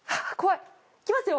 いきますよ。